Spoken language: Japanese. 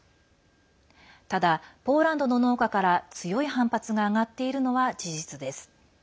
ただ、ポーランドの農家から強い反発が上がっているのは事実です。